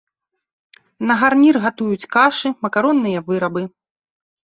На гарнір гатуюць кашы, макаронныя вырабы.